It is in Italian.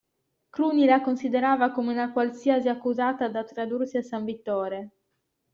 Cruni la considerava come una qualsiasi accusata da tradursi a San Vittore.